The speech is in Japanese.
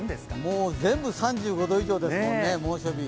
もう全部３５度以上ですもんね猛暑日。